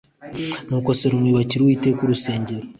Nuko Salomo yubakira Uwiteka urusengero